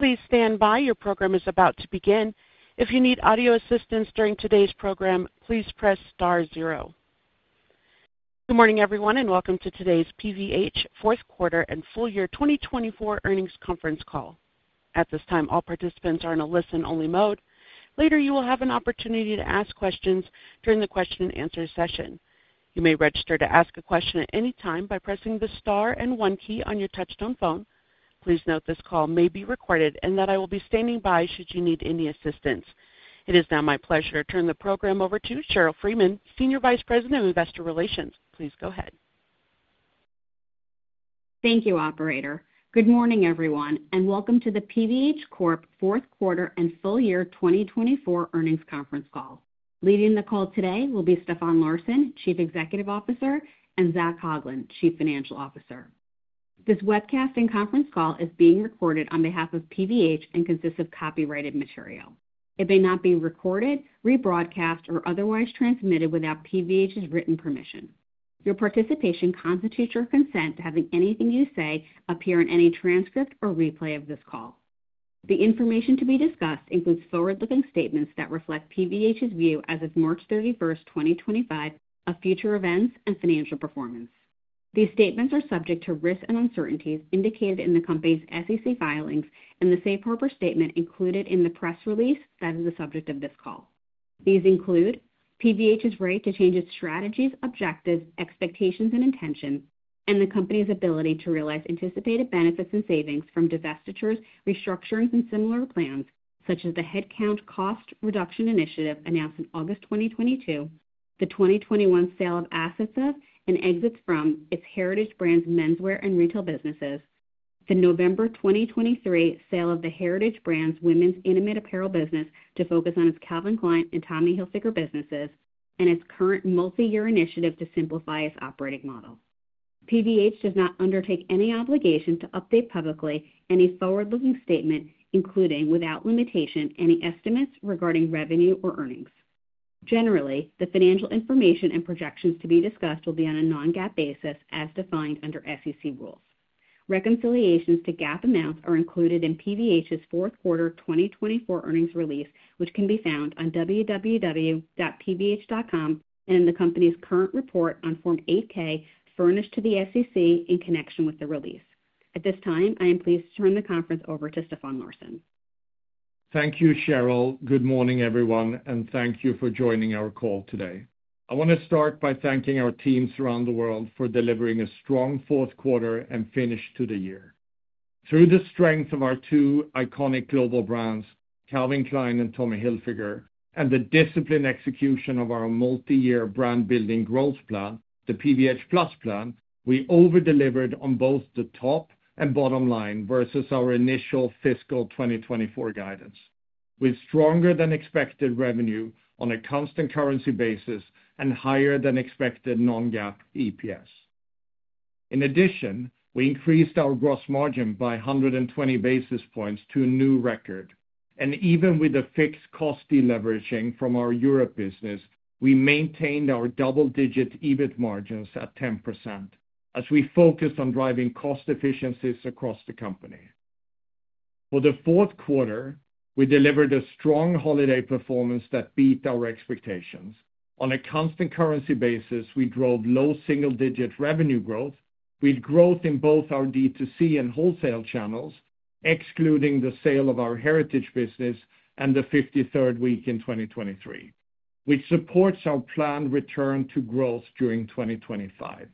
Please stand by, your program is about to begin. If you need audio assistance during today's program, please press star zero. Good morning, everyone, and welcome to today's PVH Fourth Quarter and Full Year 2024 Earnings Conference Call. At this time, all participants are in a listen-only mode. Later, you will have an opportunity to ask questions during the question-and-answer session. You may register to ask a question at any time by pressing the star and one key on your touch-tone phone. Please note this call may be recorded and that I will be standing by should you need any assistance. It is now my pleasure to turn the program over to Sheryl Freeman, Senior Vice President of Investor Relations. Please go ahead. Thank you, Operator. Good morning, everyone, and welcome to the PVH Corp Fourth Quarter and Full Year 2024 Earnings Conference Call. Leading the call today will be Stefan Larsson, Chief Executive Officer, and Zac Coughlin, Chief Financial Officer. This webcast and conference call is being recorded on behalf of PVH and consists of copyrighted material. It may not be recorded, rebroadcast, or otherwise transmitted without PVH's written permission. Your participation constitutes your consent to having anything you say appear in any transcript or replay of this call. The information to be discussed includes forward-looking statements that reflect PVH's view as of March 31, 2025, of future events and financial performance. These statements are subject to risks and uncertainties indicated in the company's SEC filings and the safe harbor statement included in the press release that is the subject of this call. These include PVH's right to change its strategies, objectives, expectations, and intentions, and the company's ability to realize anticipated benefits and savings from divestitures, restructurings, and similar plans, such as the headcount cost reduction initiative announced in August 2022, the 2021 sale of assets of and exits from its heritage brands, menswear and retail businesses, the November 2023 sale of the heritage brands, women's intimate apparel business to focus on its Calvin Klein and Tommy Hilfiger businesses, and its current multi-year initiative to simplify its operating model. PVH does not undertake any obligation to update publicly any forward-looking statement, including, without limitation, any estimates regarding revenue or earnings. Generally, the financial information and projections to be discussed will be on a non-GAAP basis as defined under SEC rules. Reconciliations to GAAP amounts are included in PVH's fourth quarter 2024 earnings release, which can be found on www.pvh.com and in the company's current report on Form 8-K furnished to the SEC in connection with the release. At this time, I am pleased to turn the conference over to Stefan Larsson. Thank you, Sheryl. Good morning, everyone, and thank you for joining our call today. I want to start by thanking our teams around the world for delivering a strong fourth quarter and finish to the year. Through the strength of our two iconic global brands, Calvin Klein and Tommy Hilfiger, and the disciplined execution of our multi-year brand-building growth plan, the PVH Plus plan, we over-delivered on both the top and bottom line versus our initial fiscal 2024 guidance, with stronger-than-expected revenue on a constant currency basis and higher-than-expected non-GAAP EPS. In addition, we increased our gross margin by 120 basis points to a new record, and even with the fixed cost deleveraging from our Europe business, we maintained our double-digit EBIT margins at 10% as we focused on driving cost efficiencies across the company. For the fourth quarter, we delivered a strong holiday performance that beat our expectations. On a constant currency basis, we drove low single-digit revenue growth with growth in both our D2C and wholesale channels, excluding the sale of our heritage business and the 53rd week in 2023, which supports our planned return to growth during 2025.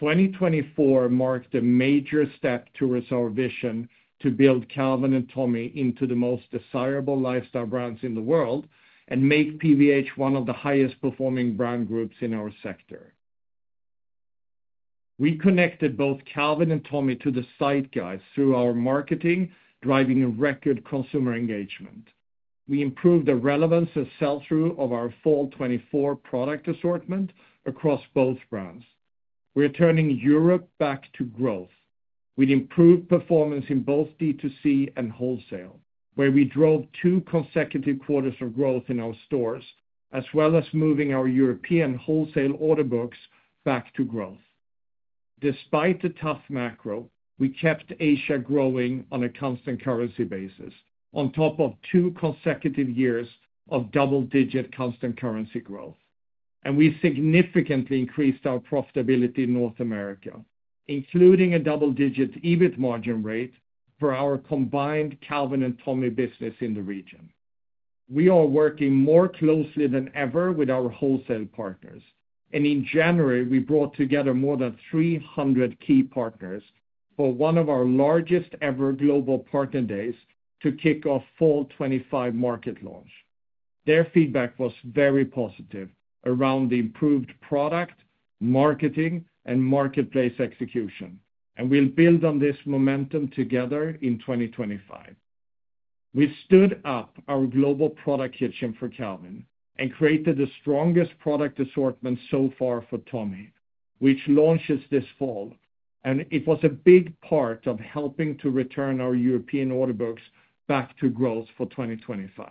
2024 marked a major step towards our vision to build Calvin and Tommy into the most desirable lifestyle brands in the world and make PVH one of the highest-performing brand groups in our sector. We connected both Calvin and Tommy to the zeitgeist through our marketing, driving record consumer engagement. We improved the relevance and sell-through of our Fall 2024 product assortment across both brands. We're turning Europe back to growth with improved performance in both D2C and wholesale, where we drove two consecutive quarters of growth in our stores, as well as moving our European wholesale order books back to growth. Despite the tough macro, we kept Asia growing on a constant currency basis on top of two consecutive years of double-digit constant currency growth, and we significantly increased our profitability in North America, including a double-digit EBIT margin rate for our combined Calvin and Tommy business in the region. We are working more closely than ever with our wholesale partners, and in January, we brought together more than 300 key partners for one of our largest-ever global partner days to kick off Fall 2025 market launch. Their feedback was very positive around the improved product, marketing, and marketplace execution, and we'll build on this momentum together in 2025. We stood up our global product kitchen for Calvin and created the strongest product assortment so far for Tommy, which launches this fall, and it was a big part of helping to return our European order books back to growth for 2025.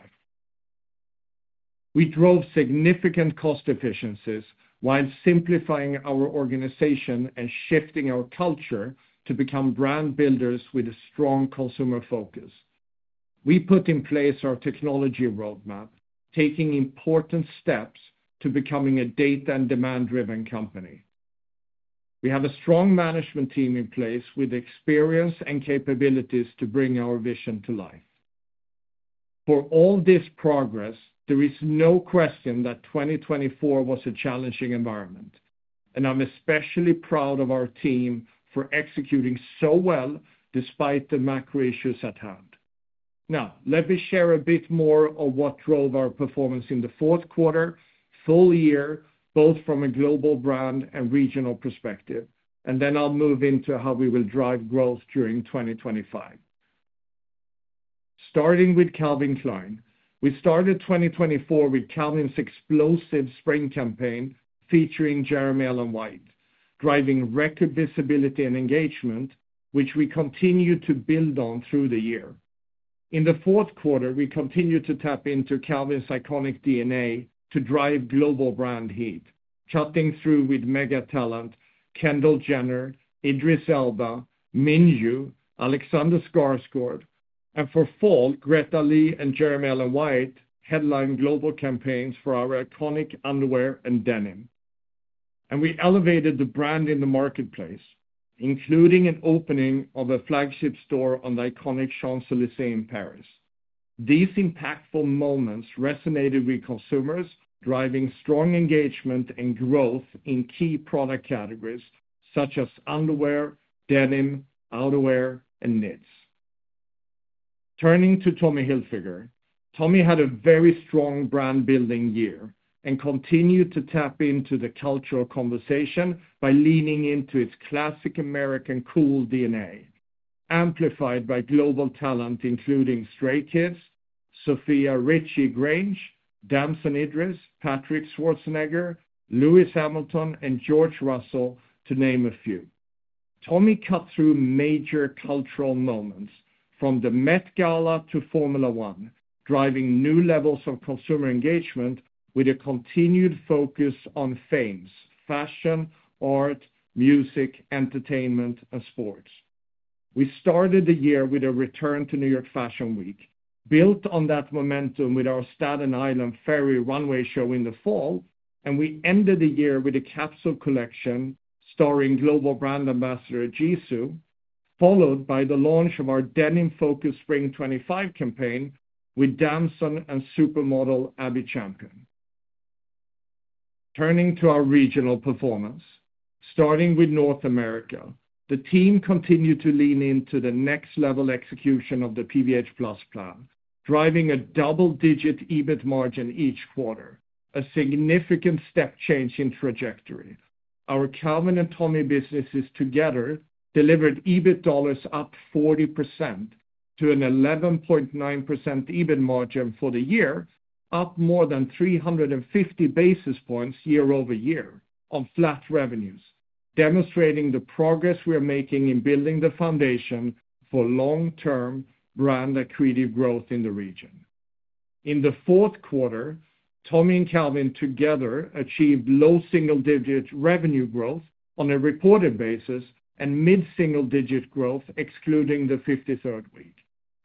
We drove significant cost efficiencies while simplifying our organization and shifting our culture to become brand builders with a strong consumer focus. We put in place our technology roadmap, taking important steps to becoming a data and demand-driven company. We have a strong management team in place with experience and capabilities to bring our vision to life. For all this progress, there is no question that 2024 was a challenging environment, and I'm especially proud of our team for executing so well despite the macro issues at hand. Now, let me share a bit more on what drove our performance in the fourth quarter, full year, both from a global brand and regional perspective, and then I'll move into how we will drive growth during 2025. Starting with Calvin Klein, we started 2024 with Calvin's explosive spring campaign featuring Jeremy Allen White, driving record visibility and engagement, which we continue to build on through the year. In the fourth quarter, we continue to tap into Calvin's iconic DNA to drive global brand heat, chatting through with mega talent, Kendall Jenner, Idris Elba, Min Yu, Alexander Skarsgård, and for Fall, Greta Lee and Jeremy Allen White headlined global campaigns for our iconic underwear and denim. We elevated the brand in the marketplace, including an opening of a flagship store on the iconic Champs-Élysées in Paris. These impactful moments resonated with consumers, driving strong engagement and growth in key product categories such as underwear, denim, outerwear, and knits. Turning to Tommy Hilfiger, Tommy had a very strong brand-building year and continued to tap into the cultural conversation by leaning into its classic American cool DNA, amplified by global talent, including Stray Kids, Sofia Richie Grainge, Dams and Idris, Patrick Schwarzenegger, Lewis Hamilton, and George Russell, to name a few. Tommy cut through major cultural moments, from the Met Gala to Formula 1, driving new levels of consumer engagement with a continued focus on themes: fashion, art, music, entertainment, and sports. We started the year with a return to New York Fashion Week, built on that momentum with our Staten Island Ferry Runway Show in the fall, and we ended the year with a capsule collection starring global brand ambassador Jisoo, followed by the launch of our denim-focused Spring '25 campaign with Dams and supermodel Abby Champion. Turning to our regional performance, starting with North America, the team continued to lean into the next-level execution of the PVH Plus plan, driving a double-digit EBIT margin each quarter, a significant step change in trajectory. Our Calvin and Tommy businesses together delivered EBIT dollars up 40% to an 11.9% EBIT margin for the year, up more than 350 basis points year over year on flat revenues, demonstrating the progress we are making in building the foundation for long-term brand accretive growth in the region. In the fourth quarter, Tommy and Calvin together achieved low single-digit revenue growth on a reported basis and mid-single-digit growth, excluding the 53rd week,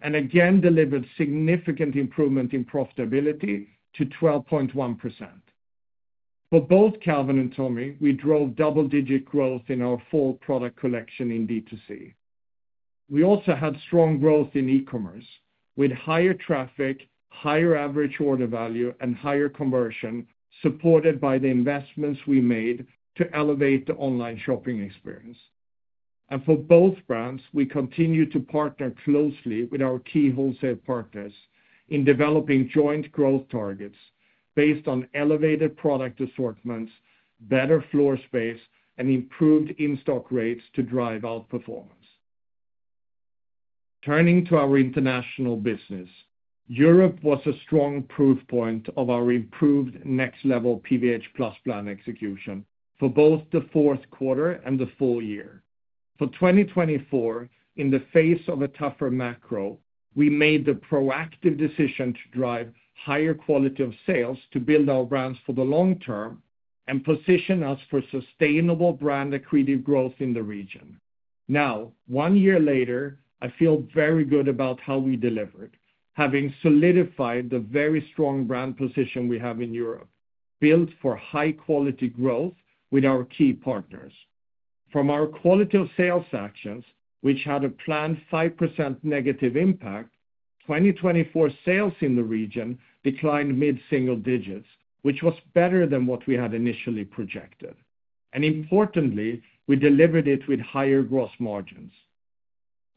and again delivered significant improvement in profitability to 12.1%. For both Calvin and Tommy, we drove double-digit growth in our full product collection in D2C. We also had strong growth in e-commerce with higher traffic, higher average order value, and higher conversion supported by the investments we made to elevate the online shopping experience. For both brands, we continue to partner closely with our key wholesale partners in developing joint growth targets based on elevated product assortments, better floor space, and improved in-stock rates to drive out performance. Turning to our international business, Europe was a strong proof point of our improved next-level PVH Plus plan execution for both the fourth quarter and the full year. For 2024, in the face of a tougher macro, we made the proactive decision to drive higher quality of sales to build our brands for the long term and position us for sustainable brand accretive growth in the region. Now, one year later, I feel very good about how we delivered, having solidified the very strong brand position we have in Europe, built for high-quality growth with our key partners. From our quality of sales actions, which had a planned 5% negative impact, 2024 sales in the region declined mid-single digits, which was better than what we had initially projected. Importantly, we delivered it with higher gross margins.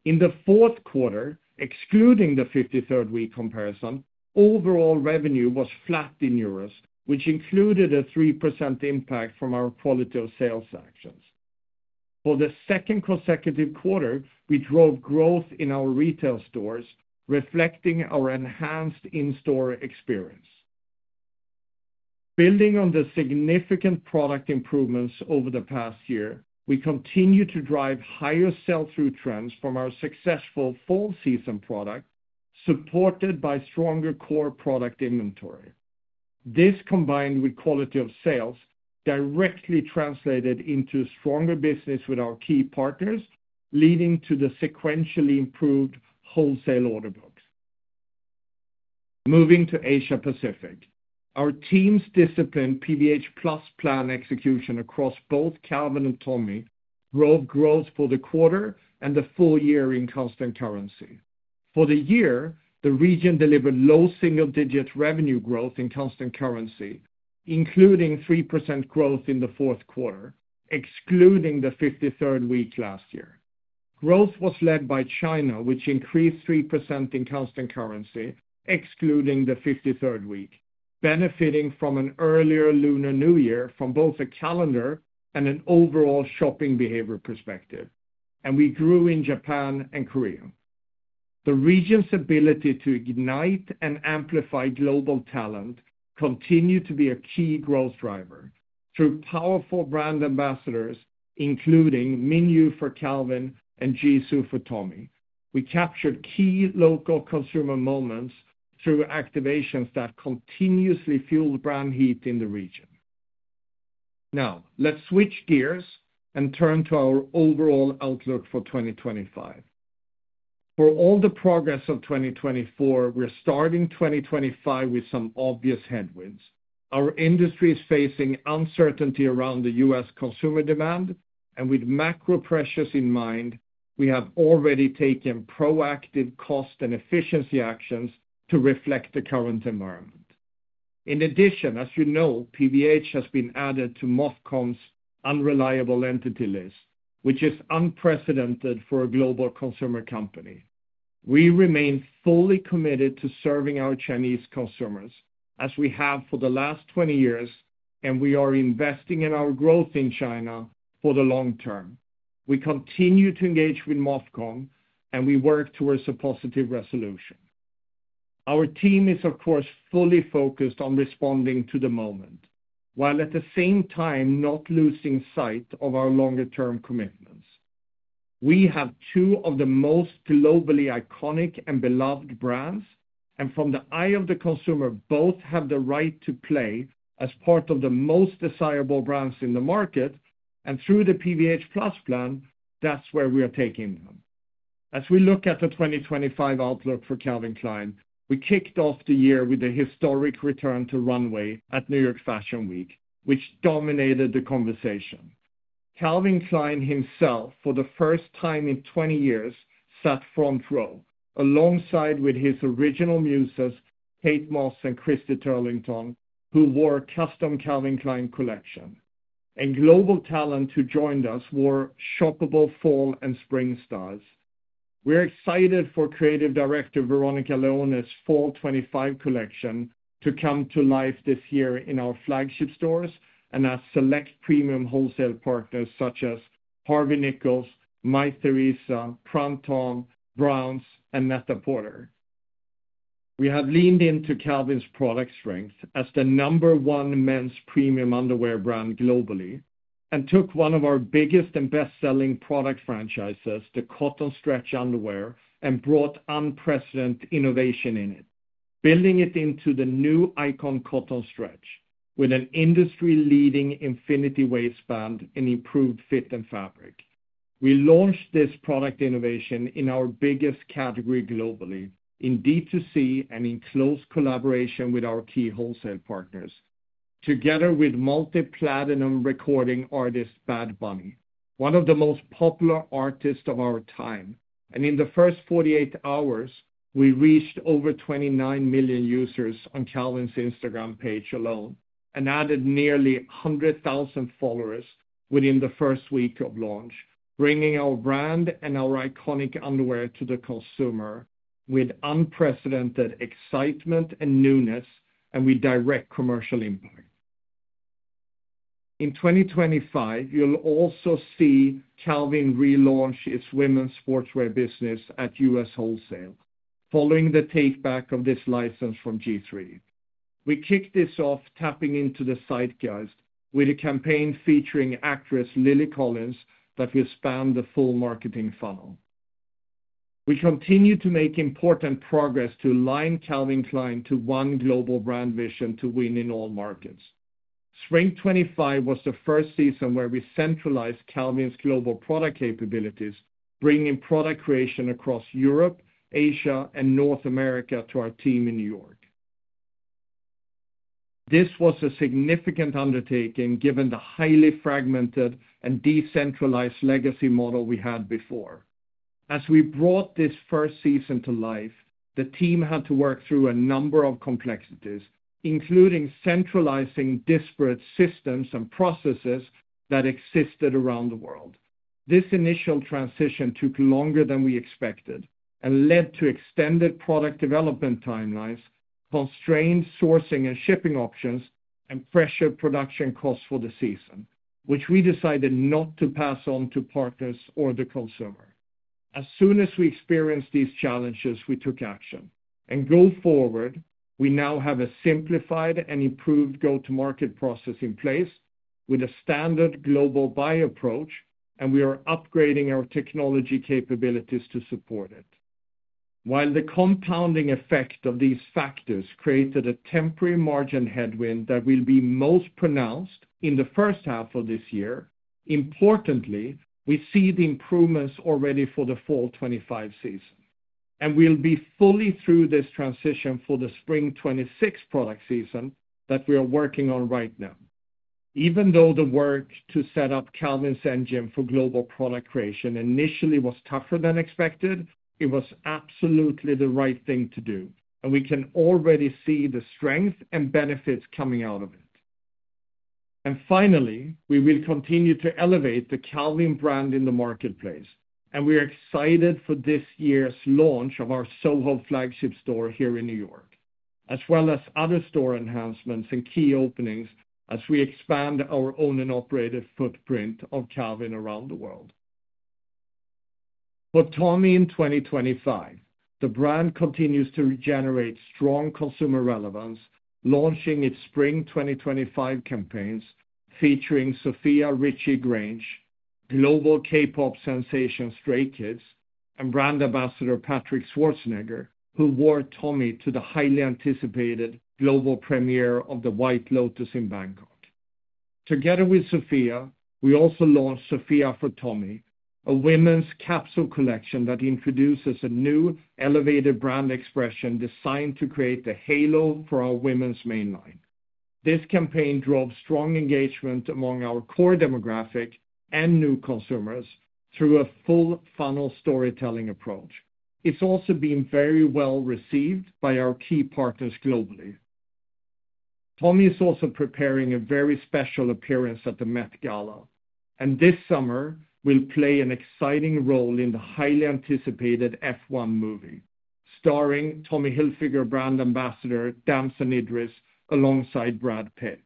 In the fourth quarter, excluding the 53rd week comparison, overall revenue was flat in euros, which included a 3% impact from our quality of sales actions. For the second consecutive quarter, we drove growth in our retail stores, reflecting our enhanced in-store experience. Building on the significant product improvements over the past year, we continue to drive higher sell-through trends from our successful fall season product, supported by stronger core product inventory. This, combined with quality of sales, directly translated into stronger business with our key partners, leading to the sequentially improved wholesale order books. Moving to Asia Pacific, our team's disciplined PVH Plus plan execution across both Calvin and Tommy drove growth for the quarter and the full year in constant currency. For the year, the region delivered low single-digit revenue growth in constant currency, including 3% growth in the fourth quarter, excluding the 53rd week last year. Growth was led by China, which increased 3% in constant currency, excluding the 53rd week, benefiting from an earlier Lunar New Year from both a calendar and an overall shopping behavior perspective. We grew in Japan and Korea. The region's ability to ignite and amplify global talent continued to be a key growth driver. Through powerful brand ambassadors, including Min Yu for Calvin and Jisoo for Tommy, we captured key local consumer moments through activations that continuously fueled brand heat in the region. Now, let's switch gears and turn to our overall outlook for 2025. For all the progress of 2024, we're starting 2025 with some obvious headwinds. Our industry is facing uncertainty around the U.S. consumer demand, and with macro pressures in mind, we have already taken proactive cost and efficiency actions to reflect the current environment. In addition, as you know, PVH has been added to MOFCOM's unreliable entity list, which is unprecedented for a global consumer company. We remain fully committed to serving our Chinese consumers as we have for the last 20 years, and we are investing in our growth in China for the long term. We continue to engage with MOFCOM, and we work towards a positive resolution. Our team is, of course, fully focused on responding to the moment, while at the same time not losing sight of our longer-term commitments. We have two of the most globally iconic and beloved brands, and from the eye of the consumer, both have the right to play as part of the most desirable brands in the market, and through the PVH Plus plan, that's where we are taking them. As we look at the 2025 outlook for Calvin Klein, we kicked off the year with a historic return to runway at New York Fashion Week, which dominated the conversation. Calvin Klein himself, for the first time in 20 years, sat front row alongside his original muses, Kate Moss and Christy Turlington, who wore a custom Calvin Klein collection. Global talent who joined us wore shoppable fall and spring styles. We're excited for Creative Director Veronica Leoni's Fall 2025 collection to come to life this year in our flagship stores and at select premium wholesale partners such as Harvey Nichols, Mytheresa, Prompton, Brauns, and Net-a-Porter. We have leaned into Calvin's product strength as the number one men's premium underwear brand globally and took one of our biggest and best-selling product franchises, the cotton stretch underwear, and brought unprecedented innovation in it, building it into the new Icon Cotton Stretch with an industry-leading infinity waistband and improved fit and fabric. We launched this product innovation in our biggest category globally in D2C and in close collaboration with our key wholesale partners, together with multi-platinum recording artist Bad Bunny, one of the most popular artists of our time. In the first 48 hours, we reached over 29 million users on Calvin's Instagram page alone and added nearly 100,000 followers within the first week of launch, bringing our brand and our iconic underwear to the consumer with unprecedented excitement and newness and with direct commercial impact. In 2025, you'll also see Calvin relaunch its women's sportswear business at U.S. wholesale, following the takeback of this license from G-III. We kicked this off tapping into the zeitgeist with a campaign featuring actress Lily Collins that will span the full marketing funnel. We continue to make important progress to align Calvin Klein to one global brand vision to win in all markets. Spring 2025 was the first season where we centralized Calvin's global product capabilities, bringing product creation across Europe, Asia, and North America to our team in New York. This was a significant undertaking given the highly fragmented and decentralized legacy model we had before. As we brought this first season to life, the team had to work through a number of complexities, including centralizing disparate systems and processes that existed around the world. This initial transition took longer than we expected and led to extended product development timelines, constrained sourcing and shipping options, and pressured production costs for the season, which we decided not to pass on to partners or the consumer. As soon as we experienced these challenges, we took action. Going forward, we now have a simplified and improved go-to-market process in place with a standard global buy approach, and we are upgrading our technology capabilities to support it. While the compounding effect of these factors created a temporary margin headwind that will be most pronounced in the first half of this year, importantly, we see the improvements already for the Fall 2025 season. We will be fully through this transition for the Spring 2026 product season that we are working on right now. Even though the work to set up Calvin's engine for global product creation initially was tougher than expected, it was absolutely the right thing to do, and we can already see the strength and benefits coming out of it. Finally, we will continue to elevate the Calvin brand in the marketplace, and we are excited for this year's launch of our Soho flagship store here in New York, as well as other store enhancements and key openings as we expand our own and operative footprint of Calvin around the world. For Tommy in 2025, the brand continues to generate strong consumer relevance, launching its Spring 2025 campaigns featuring Sofia Richie Grainge, global K-pop sensation Stray Kids, and brand ambassador Patrick Schwarzenegger, who wore Tommy to the highly anticipated global premiere of The White Lotus in Bangkok. Together with Sofia, we also launched Sophia for Tommy, a women's capsule collection that introduces a new elevated brand expression designed to create a halo for our women's mainline. This campaign drove strong engagement among our core demographic and new consumers through a full funnel storytelling approach. It's also been very well received by our key partners globally. Tommy is also preparing a very special appearance at the Met Gala, and this summer will play an exciting role in the highly anticipated F1 movie starring Tommy Hilfiger, brand ambassador, Damson and Idris, alongside Brad Pitt.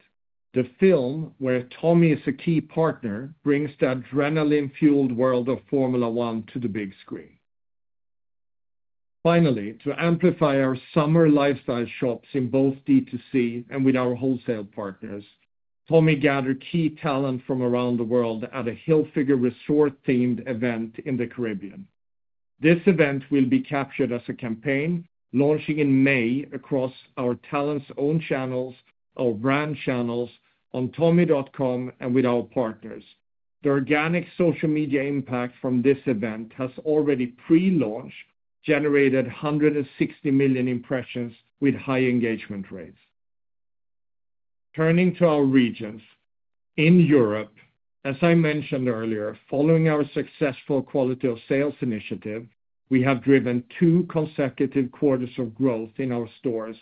The film, where Tommy is a key partner, brings the adrenaline-fueled world of Formula 1 to the big screen. Finally, to amplify our summer lifestyle shops in both D2C and with our wholesale partners, Tommy gathered key talent from around the world at a Hilfiger resort-themed event in the Caribbean. This event will be captured as a campaign launching in May across our talent's own channels, our brand channels on tommy.com and with our partners. The organic social media impact from this event has already pre-launched generated 160 million impressions with high engagement rates. Turning to our regions, in Europe, as I mentioned earlier, following our successful quality of sales initiative, we have driven two consecutive quarters of growth in our stores,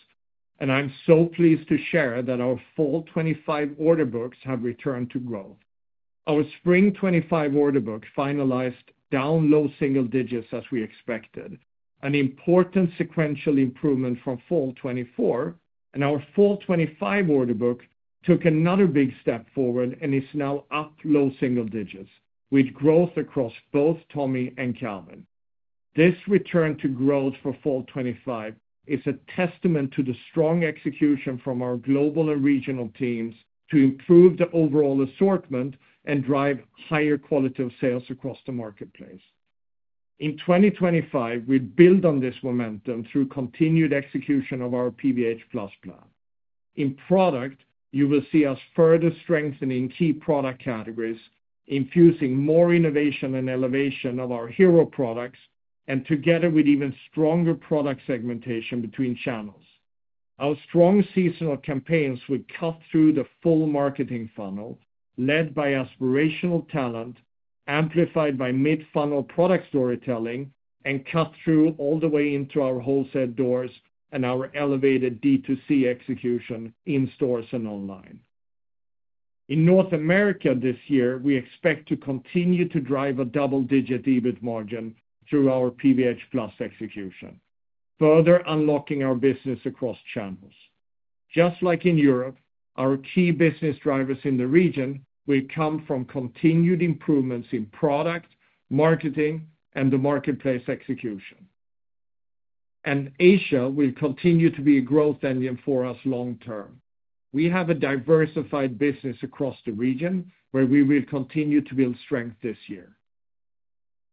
and I'm so pleased to share that our Fall 2025 order books have returned to growth. Our Spring '25 order book finalized down low single digits as we expected, an important sequential improvement from Fall '24, and our Fall '25 order book took another big step forward and is now up low single digits with growth across both Tommy and Calvin. This return to growth for Fall '25 is a testament to the strong execution from our global and regional teams to improve the overall assortment and drive higher quality of sales across the marketplace. In 2025, we build on this momentum through continued execution of our PVH Plus plan. In product, you will see us further strengthening key product categories, infusing more innovation and elevation of our hero products, and together with even stronger product segmentation between channels. Our strong seasonal campaigns will cut through the full marketing funnel led by aspirational talent, amplified by mid-funnel product storytelling, and cut through all the way into our wholesale doors and our elevated D2C execution in stores and online. In North America this year, we expect to continue to drive a double-digit EBIT margin through our PVH Plus execution, further unlocking our business across channels. Just like in Europe, our key business drivers in the region will come from continued improvements in product, marketing, and the marketplace execution. Asia will continue to be a growth engine for us long term. We have a diversified business across the region where we will continue to build strength this year.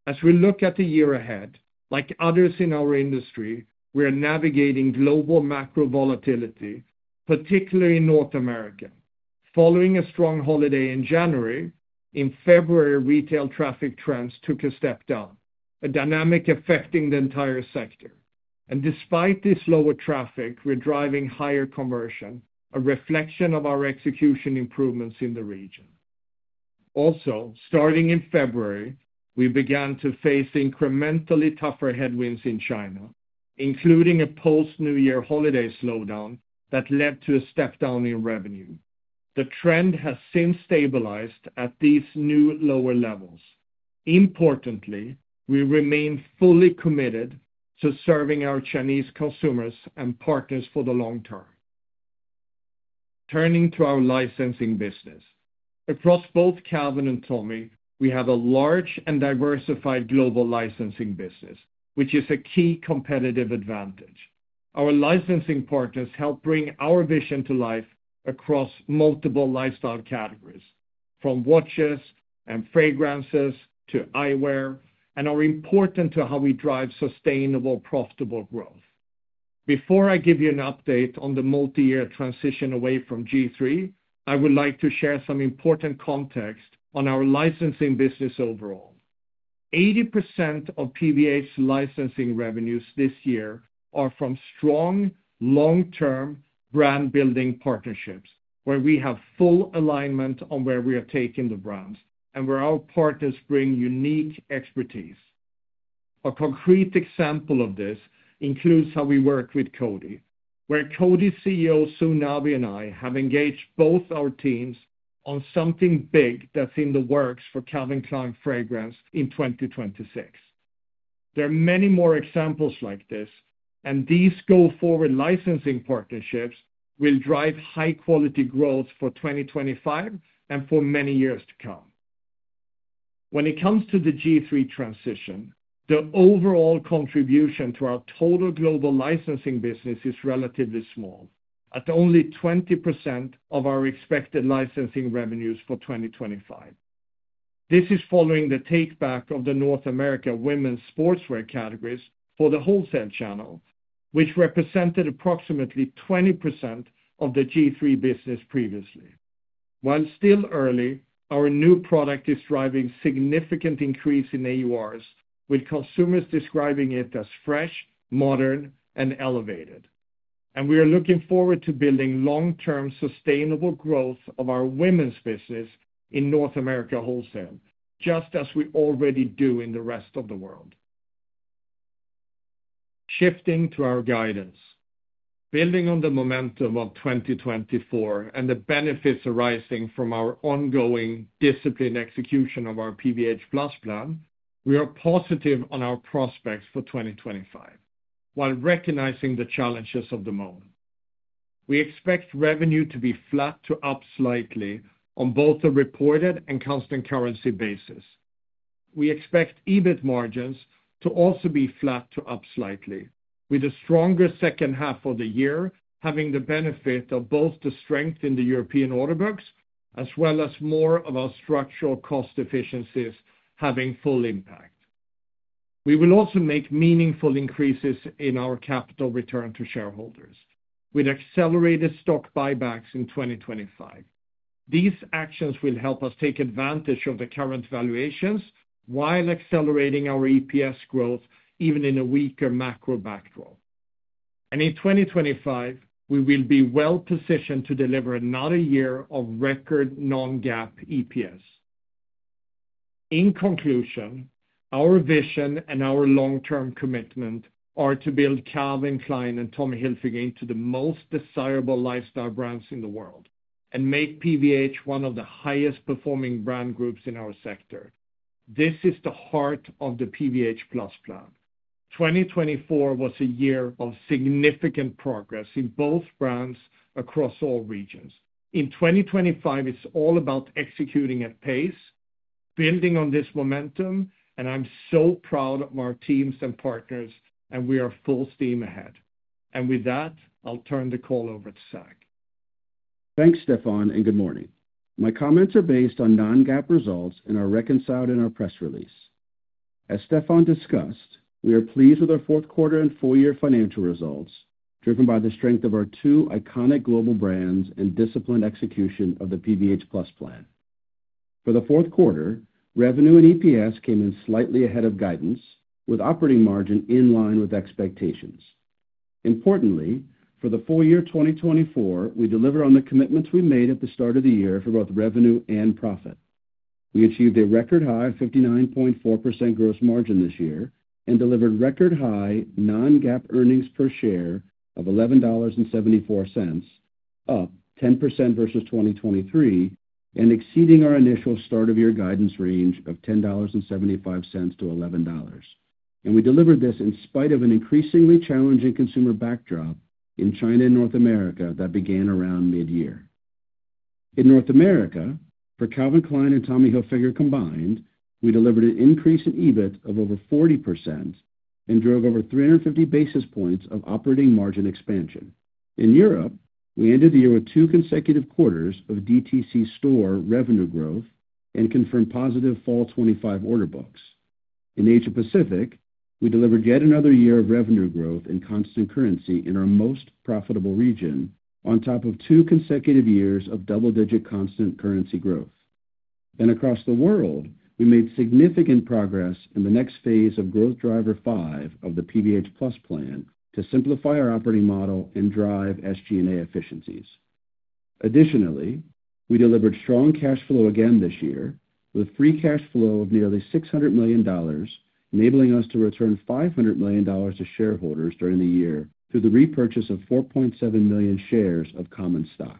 As we look at the year ahead, like others in our industry, we are navigating global macro volatility, particularly in North America. Following a strong holiday in January, in February, retail traffic trends took a step down, a dynamic affecting the entire sector. Despite this lower traffic, we're driving higher conversion, a reflection of our execution improvements in the region. Also, starting in February, we began to face incrementally tougher headwinds in China, including a post-New Year holiday slowdown that led to a step down in revenue. The trend has since stabilized at these new lower levels. Importantly, we remain fully committed to serving our Chinese consumers and partners for the long term. Turning to our licensing business, across both Calvin and Tommy, we have a large and diversified global licensing business, which is a key competitive advantage. Our licensing partners help bring our vision to life across multiple lifestyle categories, from watches and fragrances to eyewear, and are important to how we drive sustainable, profitable growth. Before I give you an update on the multi-year transition away from G-III, I would like to share some important context on our licensing business overall. 80% of PVH's licensing revenues this year are from strong, long-term brand-building partnerships where we have full alignment on where we are taking the brands and where our partners bring unique expertise. A concrete example of this includes how we work with Coty, where Coty's CEO, Sue Nabi, and I have engaged both our teams on something big that's in the works for Calvin Klein Fragrance in 2026. There are many more examples like this, and these go-forward licensing partnerships will drive high-quality growth for 2025 and for many years to come. When it comes to the G-III transition, the overall contribution to our total global licensing business is relatively small, at only 20% of our expected licensing revenues for 2025. This is following the takeback of the North America women's sportswear categories for the wholesale channel, which represented approximately 20% of the G-III business previously. While still early, our new product is driving significant increase in AURs, with consumers describing it as fresh, modern, and elevated. We are looking forward to building long-term sustainable growth of our women's business in North America wholesale, just as we already do in the rest of the world. Shifting to our guidance, building on the momentum of 2024 and the benefits arising from our ongoing disciplined execution of our PVH Plus plan, we are positive on our prospects for 2025, while recognizing the challenges of the moment. We expect revenue to be flat to up slightly on both the reported and constant currency basis. We expect EBIT margins to also be flat to up slightly, with a stronger second half of the year having the benefit of both the strength in the European order books, as well as more of our structural cost efficiencies having full impact. We will also make meaningful increases in our capital return to shareholders with accelerated stock buybacks in 2025. These actions will help us take advantage of the current valuations while accelerating our EPS growth even in a weaker macro backdrop. In 2025, we will be well positioned to deliver another year of record non-GAAP EPS. In conclusion, our vision and our long-term commitment are to build Calvin Klein and Tommy Hilfiger into the most desirable lifestyle brands in the world and make PVH one of the highest performing brand groups in our sector. This is the heart of the PVH Plus Plan. 2024 was a year of significant progress in both brands across all regions. In 2025, it's all about executing at pace, building on this momentum, and I'm so proud of our teams and partners, and we are full steam ahead. With that, I'll turn the call over to Zac. Thanks, Stefan, and good morning. My comments are based on non-GAAP results and are reconciled in our press release. As Stefan discussed, we are pleased with our fourth quarter and full-year financial results driven by the strength of our two iconic global brands and disciplined execution of the PVH Plus plan. For the fourth quarter, revenue and EPS came in slightly ahead of guidance, with operating margin in line with expectations. Importantly, for the full year 2024, we deliver on the commitments we made at the start of the year for both revenue and profit. We achieved a record high of 59.4% gross margin this year and delivered record high non-GAAP earnings per share of $11.74, up 10% versus 2023, and exceeding our initial start of year guidance range of $10.75-$11. We delivered this in spite of an increasingly challenging consumer backdrop in China and North America that began around mid-year. In North America, for Calvin Klein and Tommy Hilfiger combined, we delivered an increase in EBIT of over 40% and drove over 350 basis points of operating margin expansion. In Europe, we ended the year with two consecutive quarters of D2C store revenue growth and confirmed positive Fall 2025 order books. In Asia Pacific, we delivered yet another year of revenue growth in constant currency in our most profitable region on top of two consecutive years of double-digit constant currency growth. Across the world, we made significant progress in the next phase of growth driver five of the PVH Plus Plan to simplify our operating model and drive SG&A efficiencies. Additionally, we delivered strong cash flow again this year with free cash flow of nearly $600 million, enabling us to return $500 million to shareholders during the year through the repurchase of 4.7 million shares of common stock.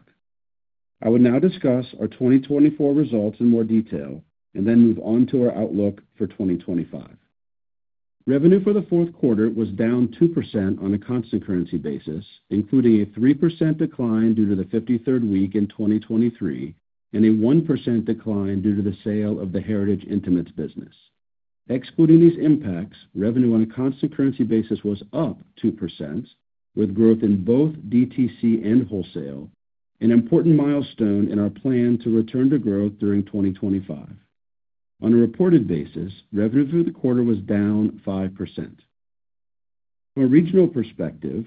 I will now discuss our 2024 results in more detail and then move on to our outlook for 2025. Revenue for the fourth quarter was down 2% on a constant currency basis, including a 3% decline due to the 53rd week in 2023 and a 1% decline due to the sale of the Heritage Intimates business. Excluding these impacts, revenue on a constant currency basis was up 2%, with growth in both DTC and wholesale, an important milestone in our plan to return to growth during 2025. On a reported basis, revenue through the quarter was down 5%. From a regional perspective,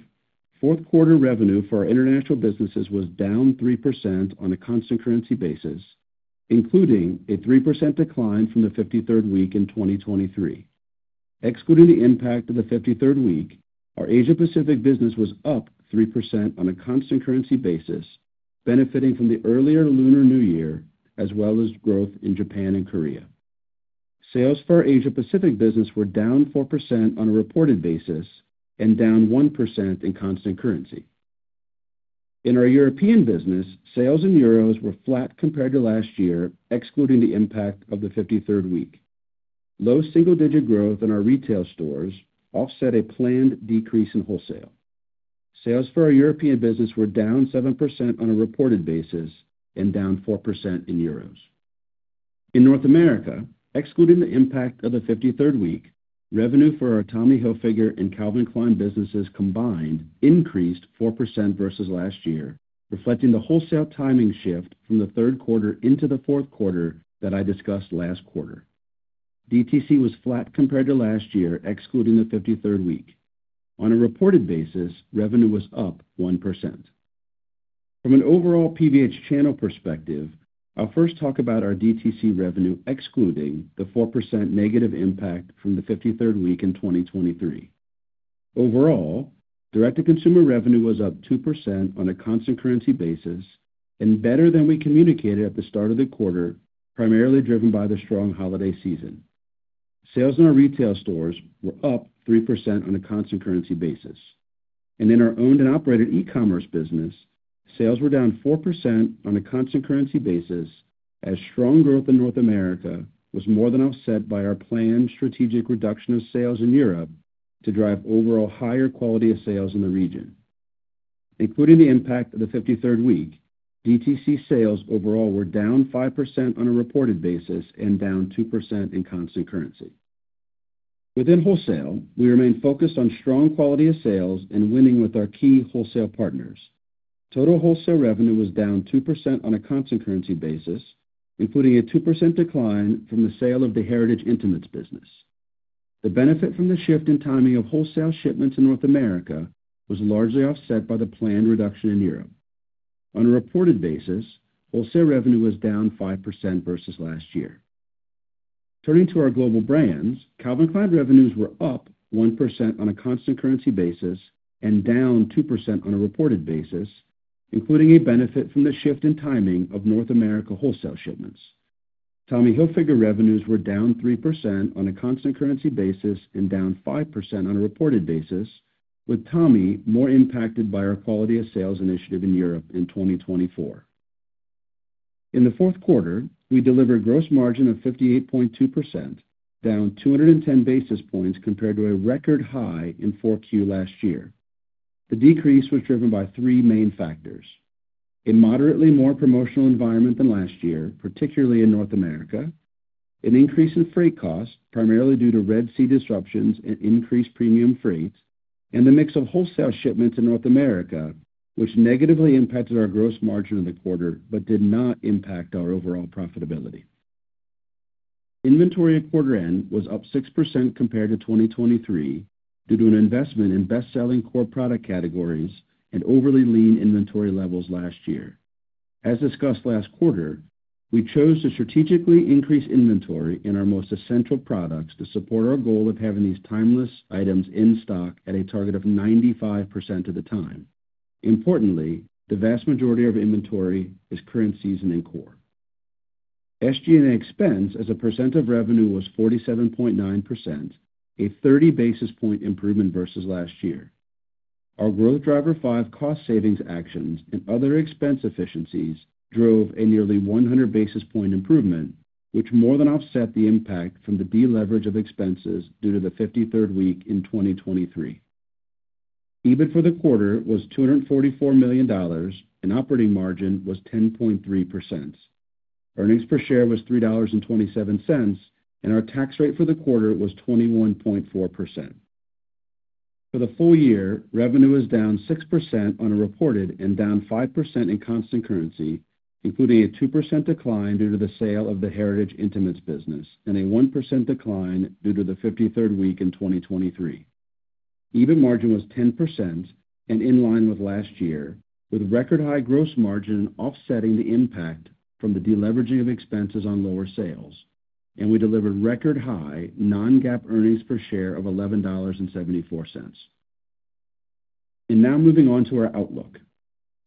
fourth quarter revenue for our international businesses was down 3% on a constant currency basis, including a 3% decline from the 53rd week in 2023. Excluding the impact of the 53rd week, our Asia Pacific business was up 3% on a constant currency basis, benefiting from the earlier Lunar New Year as well as growth in Japan and Korea. Sales for our Asia Pacific business were down 4% on a reported basis and down 1% in constant currency. In our European business, sales in euros were flat compared to last year, excluding the impact of the 53rd week. Low single-digit growth in our retail stores offset a planned decrease in wholesale. Sales for our European business were down 7% on a reported basis and down 4% in euros. In North America, excluding the impact of the 53rd week, revenue for our Tommy Hilfiger and Calvin Klein businesses combined increased 4% versus last year, reflecting the wholesale timing shift from the third quarter into the fourth quarter that I discussed last quarter. DTC was flat compared to last year, excluding the 53rd week. On a reported basis, revenue was up 1%. From an overall PVH channel perspective, I'll first talk about our DTC revenue, excluding the 4% negative impact from the 53rd week in 2023. Overall, direct-to-consumer revenue was up 2% on a constant currency basis and better than we communicated at the start of the quarter, primarily driven by the strong holiday season. Sales in our retail stores were up 3% on a constant currency basis. In our owned and operated e-commerce business, sales were down 4% on a constant currency basis as strong growth in North America was more than offset by our planned strategic reduction of sales in Europe to drive overall higher quality of sales in the region. Including the impact of the 53rd week, DTC sales overall were down 5% on a reported basis and down 2% in constant currency. Within wholesale, we remained focused on strong quality of sales and winning with our key wholesale partners. Total wholesale revenue was down 2% on a constant currency basis, including a 2% decline from the sale of the Heritage Intimates business. The benefit from the shift in timing of wholesale shipments in North America was largely offset by the planned reduction in Europe. On a reported basis, wholesale revenue was down 5% versus last year. Turning to our global brands, Calvin Klein revenues were up 1% on a constant currency basis and down 2% on a reported basis, including a benefit from the shift in timing of North America wholesale shipments. Tommy Hilfiger revenues were down 3% on a constant currency basis and down 5% on a reported basis, with Tommy more impacted by our quality of sales initiative in Europe in 2024. In the fourth quarter, we delivered gross margin of 58.2%, down 210 basis points compared to a record high in Q4 last year. The decrease was driven by three main factors: a moderately more promotional environment than last year, particularly in North America; an increase in freight costs, primarily due to Red Sea disruptions and increased premium freight; and the mix of wholesale shipments in North America, which negatively impacted our gross margin in the quarter but did not impact our overall profitability. Inventory at quarter end was up 6% compared to 2023 due to an investment in best-selling core product categories and overly lean inventory levels last year. As discussed last quarter, we chose to strategically increase inventory in our most essential products to support our goal of having these timeless items in stock at a target of 95% of the time. Importantly, the vast majority of inventory is current season and core. SG&A expense as a percent of revenue was 47.9%, a 30 basis point improvement versus last year. Our growth driver five cost savings actions and other expense efficiencies drove a nearly 100 basis point improvement, which more than offset the impact from the deleverage of expenses due to the 53rd week in 2023. EBIT for the quarter was $244 million, and operating margin was 10.3%. Earnings per share was $3.27, and our tax rate for the quarter was 21.4%. For the full year, revenue is down 6% on a reported and down 5% in constant currency, including a 2% decline due to the sale of the Heritage Intimates business and a 1% decline due to the 53rd week in 2023. EBIT margin was 10% and in line with last year, with record high gross margin offsetting the impact from the deleveraging of expenses on lower sales. We delivered record high non-GAAP earnings per share of $11.74. Now moving on to our outlook.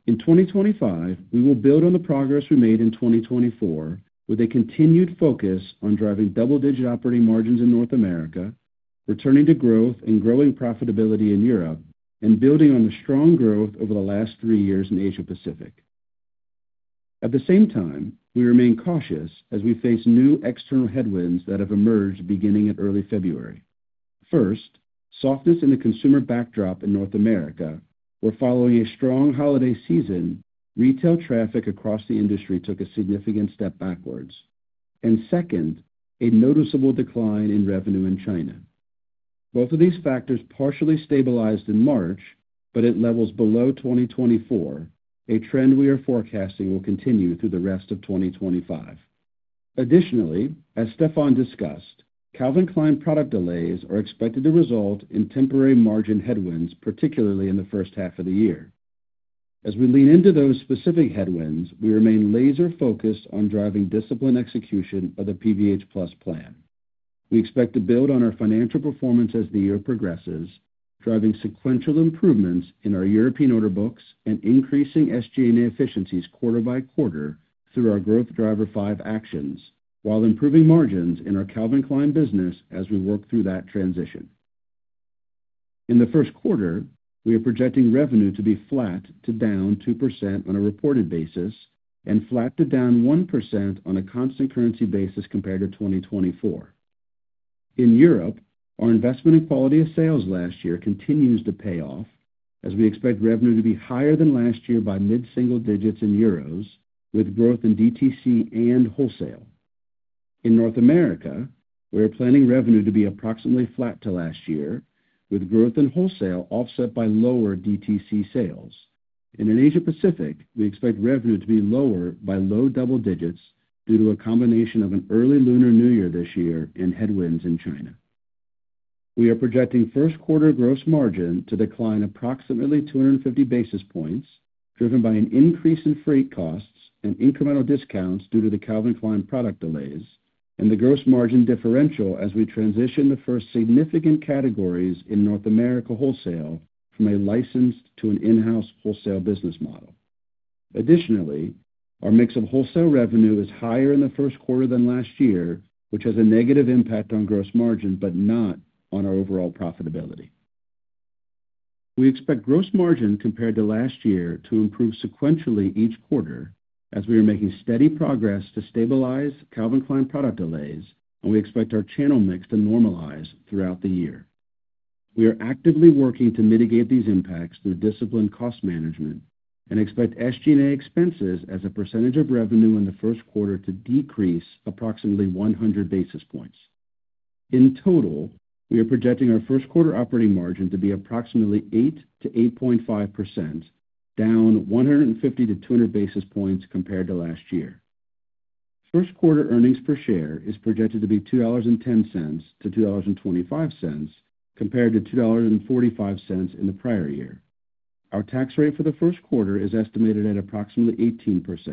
In 2025, we will build on the progress we made in 2024 with a continued focus on driving double-digit operating margins in North America, returning to growth and growing profitability in Europe, and building on the strong growth over the last three years in Asia Pacific. At the same time, we remain cautious as we face new external headwinds that have emerged beginning in early February. First, softness in the consumer backdrop in North America. Following a strong holiday season, retail traffic across the industry took a significant step backwards. Second, a noticeable decline in revenue in China. Both of these factors partially stabilized in March, but at levels below 2024, a trend we are forecasting will continue through the rest of 2025. Additionally, as Stefan discussed, Calvin Klein product delays are expected to result in temporary margin headwinds, particularly in the first half of the year. As we lean into those specific headwinds, we remain laser-focused on driving discipline execution of the PVH Plus Plan. We expect to build on our financial performance as the year progresses, driving sequential improvements in our European order books and increasing SG&A efficiencies quarter by quarter through our growth driver five actions, while improving margins in our Calvin Klein business as we work through that transition. In the first quarter, we are projecting revenue to be flat to down 2% on a reported basis and flat to down 1% on a constant currency basis compared to 2024. In Europe, our investment in quality of sales last year continues to pay off, as we expect revenue to be higher than last year by mid-single digits in euros, with growth in D2C and wholesale. In North America, we are planning revenue to be approximately flat to last year, with growth in wholesale offset by lower DTC sales. In Asia Pacific, we expect revenue to be lower by low double digits due to a combination of an early Lunar New Year this year and headwinds in China. We are projecting first quarter gross margin to decline approximately 250 basis points, driven by an increase in freight costs and incremental discounts due to the Calvin Klein product delays and the gross margin differential as we transition the first significant categories in North America wholesale from a licensed to an in-house wholesale business model. Additionally, our mix of wholesale revenue is higher in the first quarter than last year, which has a negative impact on gross margin but not on our overall profitability. We expect gross margin compared to last year to improve sequentially each quarter as we are making steady progress to stabilize Calvin Klein product delays, and we expect our channel mix to normalize throughout the year. We are actively working to mitigate these impacts through discipline cost management and expect SG&A expenses as a percentage of revenue in the first quarter to decrease approximately 100 basis points. In total, we are projecting our first quarter operating margin to be approximately 8%-8.5%, down 150-200 basis points compared to last year. First quarter earnings per share is projected to be $2.10-$2.25 compared to $2.45 in the prior year. Our tax rate for the first quarter is estimated at approximately 18%,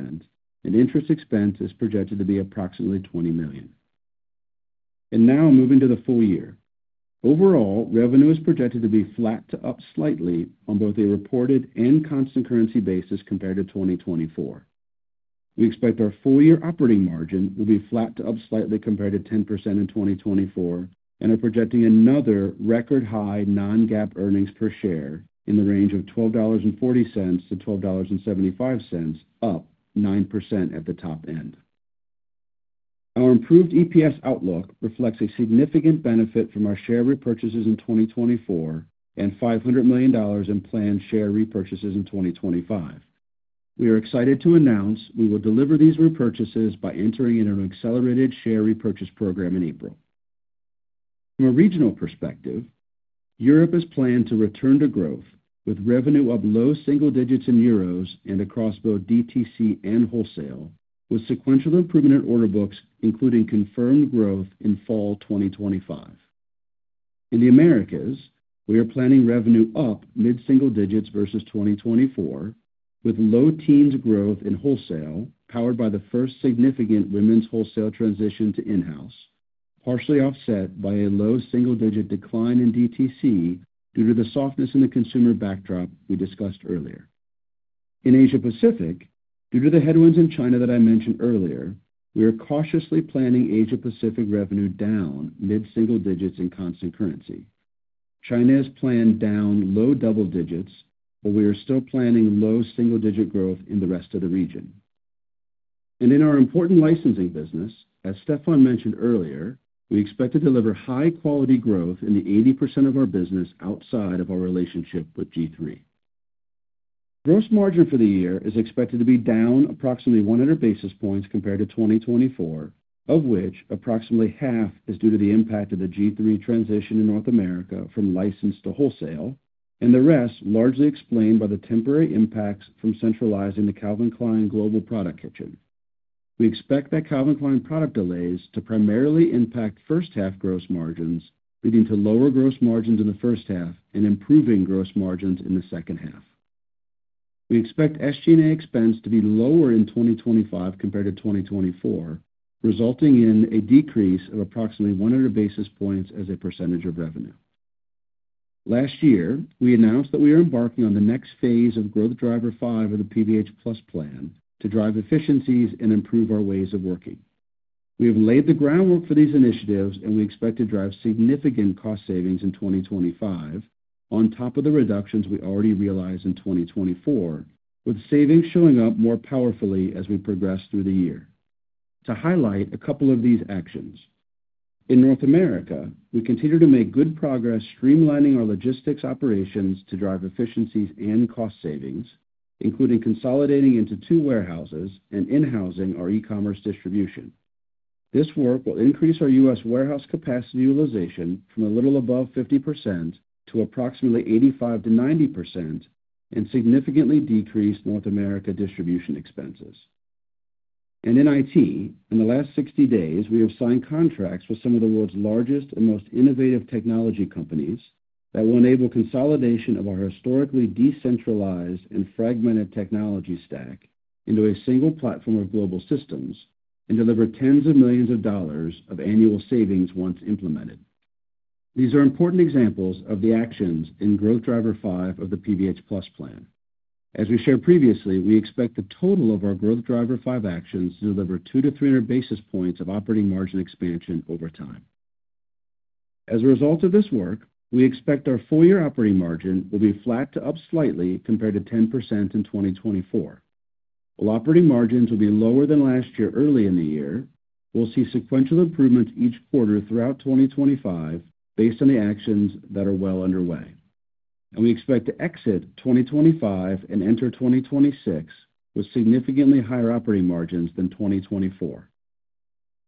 and interest expense is projected to be approximately $20 million. Now moving to the full year. Overall, revenue is projected to be flat to up slightly on both a reported and constant currency basis compared to 2024. We expect our full year operating margin will be flat to up slightly compared to 10% in 2024, and are projecting another record high non-GAAP earnings per share in the range of $12.40-$12.75, up 9% at the top end. Our improved EPS outlook reflects a significant benefit from our share repurchases in 2024 and $500 million in planned share repurchases in 2025. We are excited to announce we will deliver these repurchases by entering in an accelerated share repurchase program in April. From a regional perspective, Europe is planned to return to growth with revenue of low single digits in euros and across both D2C and wholesale, with sequential improvement in order books, including confirmed growth in fall 2025. In the Americas, we are planning revenue up mid-single digits versus 2024, with low teens growth in wholesale powered by the first significant women's wholesale transition to in-house, partially offset by a low single digit decline in D2C due to the softness in the consumer backdrop we discussed earlier. In Asia Pacific, due to the headwinds in China that I mentioned earlier, we are cautiously planning Asia Pacific revenue down mid-single digits in constant currency. China is planned down low double digits, but we are still planning low single digit growth in the rest of the region. In our important licensing business, as Stefan mentioned earlier, we expect to deliver high-quality growth in the 80% of our business outside of our relationship with G-III. Gross margin for the year is expected to be down approximately 100 basis points compared to 2024, of which approximately half is due to the impact of the G-III transition in North America from licensed to wholesale, and the rest largely explained by the temporary impacts from centralizing the Calvin Klein global product kitchen. We expect that Calvin Klein product delays to primarily impact first-half gross margins, leading to lower gross margins in the first half and improving gross margins in the second half. We expect SG&A expense to be lower in 2025 compared to 2024, resulting in a decrease of approximately 100 basis points as a percentage of revenue. Last year, we announced that we are embarking on the next phase of growth driver five of the PVH Plus Plan to drive efficiencies and improve our ways of working. We have laid the groundwork for these initiatives, and we expect to drive significant cost savings in 2025 on top of the reductions we already realized in 2024, with savings showing up more powerfully as we progress through the year. To highlight a couple of these actions. In North America, we continue to make good progress streamlining our logistics operations to drive efficiencies and cost savings, including consolidating into two warehouses and in-housing our e-commerce distribution. This work will increase our U.S. warehouse capacity utilization from a little above 50% to approximately 85%-90% and significantly decrease North America distribution expenses. In IT, in the last 60 days, we have signed contracts with some of the world's largest and most innovative technology companies that will enable consolidation of our historically decentralized and fragmented technology stack into a single platform of global systems and deliver tens of millions of dollars of annual savings once implemented. These are important examples of the actions in growth driver five of the PVH Plus plan. As we shared previously, we expect the total of our growth driver five actions to deliver 200-300 basis points of operating margin expansion over time. As a result of this work, we expect our full year operating margin will be flat to up slightly compared to 10% in 2024. While operating margins will be lower than last year early in the year, we'll see sequential improvements each quarter throughout 2025 based on the actions that are well underway. We expect to exit 2025 and enter 2026 with significantly higher operating margins than 2024.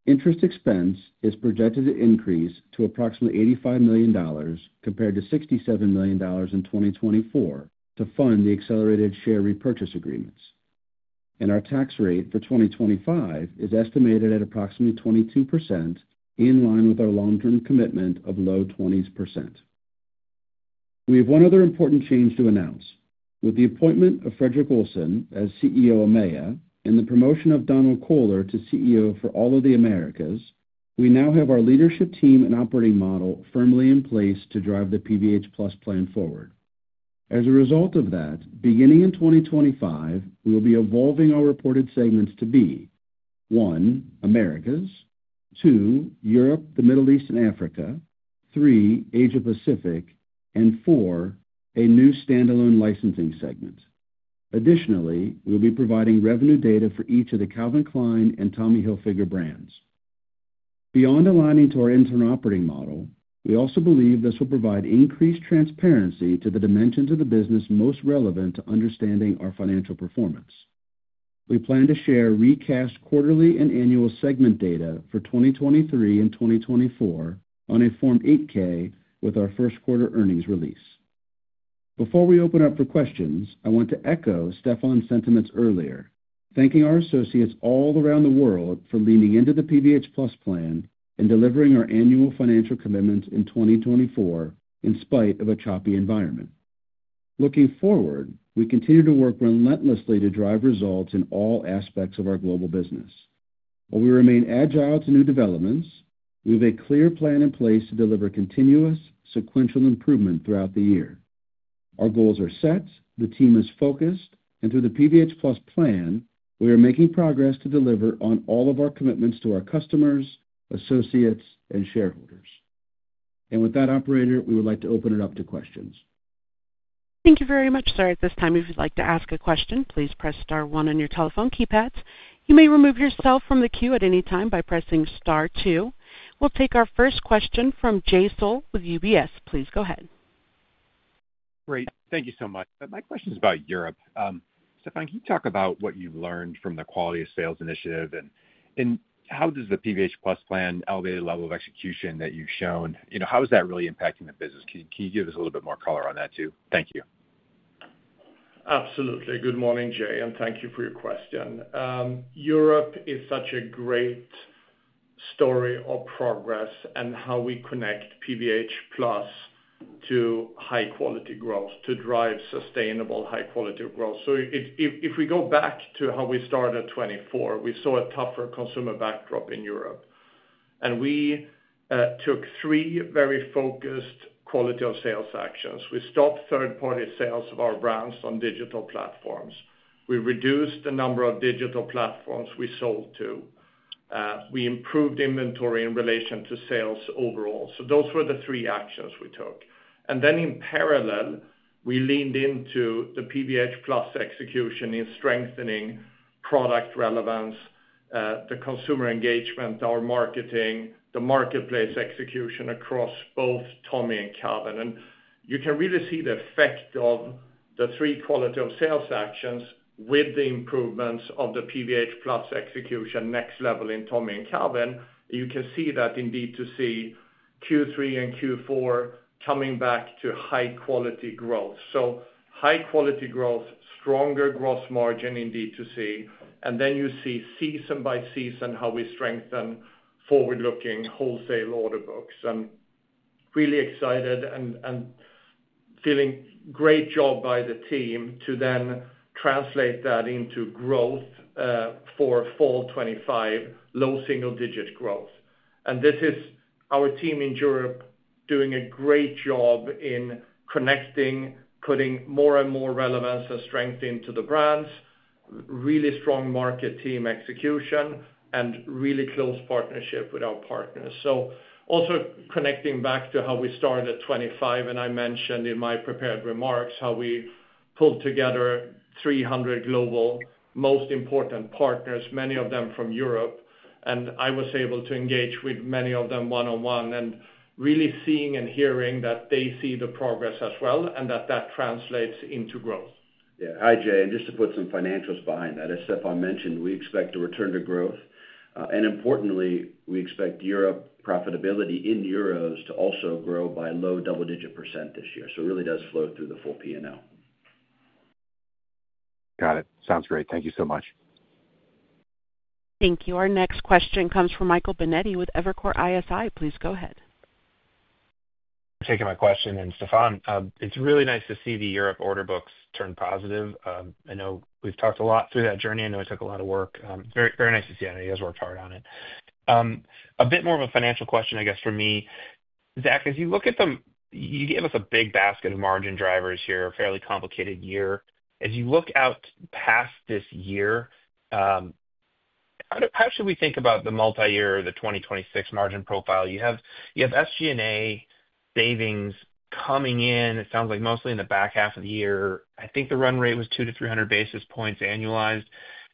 Interest expense is projected to increase to approximately $85 million compared to $67 million in 2024 to fund the accelerated share repurchase agreements. Our tax rate for 2025 is estimated at approximately 22% in line with our long-term commitment of low 20%. We have one other important change to announce. With the appointment of Frederick Olson as CEO AMEA and the promotion of Donald Kohler to CEO for all of the Americas, we now have our leadership team and operating model firmly in place to drive the PVH Plus plan forward. As a result of that, beginning in 2025, we will be evolving our reported segments to be: one, Americas; two, Europe, the Middle East, and Africa; three, Asia Pacific; and four, a new standalone licensing segment. Additionally, we'll be providing revenue data for each of the Calvin Klein and Tommy Hilfiger brands. Beyond aligning to our internal operating model, we also believe this will provide increased transparency to the dimensions of the business most relevant to understanding our financial performance. We plan to share recast quarterly and annual segment data for 2023 and 2024 on a Form 8K with our first quarter earnings release. Before we open up for questions, I want to echo Stefan's sentiments earlier, thanking our associates all around the world for leaning into the PVH Plus plan and delivering our annual financial commitments in 2024 in spite of a choppy environment. Looking forward, we continue to work relentlessly to drive results in all aspects of our global business. While we remain agile to new developments, we have a clear plan in place to deliver continuous sequential improvement throughout the year. Our goals are set, the team is focused, and through the PVH Plus plan, we are making progress to deliver on all of our commitments to our customers, associates, and shareholders. With that, Operator, we would like to open it up to questions. Thank you very much. At this time, if you'd like to ask a question, please press star one on your telephone keypads. You may remove yourself from the queue at any time by pressing star two. We'll take our first question from Jay Sole with UBS. Please go ahead. Great. Thank you so much. My question is about Europe. Stefan, can you talk about what you've learned from the Quality of Sales Initiative and how does the PVH Plus plan elevate the level of execution that you've shown? How is that really impacting the business? Can you give us a little bit more color on that too? Thank you. Absolutely. Good morning, Jay, and thank you for your question. Europe is such a great story of progress and how we connect PVH Plus to high-quality growth to drive sustainable high-quality growth. If we go back to how we started 2024, we saw a tougher consumer backdrop in Europe. We took three very focused quality of sales actions. We stopped third-party sales of our brands on digital platforms. We reduced the number of digital platforms we sold to. We improved inventory in relation to sales overall. Those were the three actions we took. In parallel, we leaned into the PVH Plus execution in strengthening product relevance, the consumer engagement, our marketing, the marketplace execution across both Tommy and Calvin. You can really see the effect of the three quality of sales actions with the improvements of the PVH Plus execution next level in Tommy and Calvin. You can see that in D2C, Q3, and Q4 coming back to high-quality growth. High-quality growth, stronger gross margin in D2C, and then you see season by season how we strengthen forward-looking wholesale order books. Really excited and feeling great job by the team to then translate that into growth for fall 2025, low single-digit growth. This is our team in Europe doing a great job in connecting, putting more and more relevance and strength into the brands, really strong market team execution, and really close partnership with our partners. Also connecting back to how we started 2025, and I mentioned in my prepared remarks how we pulled together 300 global most important partners, many of them from Europe, and I was able to engage with many of them one-on-one and really seeing and hearing that they see the progress as well and that that translates into growth. Yeah. Hi, Jay. Just to put some financials behind that, as Stefan mentioned, we expect to return to growth. Importantly, we expect Europe profitability in euros to also grow by low double-digit % this year. It really does flow through the full P&L. Got it. Sounds great. Thank you so much. Thank you. Our next question comes from Michael Binetti with Evercore ISI. Please go ahead. Thanks for taking my question. Stefan, it's really nice to see the Europe order books turn positive. I know we've talked a lot through that journey. I know it took a lot of work. Very nice to see you. I know you guys worked hard on it. A bit more of a financial question, I guess, for me. Zac, as you look at them, you gave us a big basket of margin drivers here, a fairly complicated year. As you look out past this year, how should we think about the multi-year or the 2026 margin profile? You have SG&A savings coming in, it sounds like, mostly in the back half of the year. I think the run rate was 200-300 basis points annualized.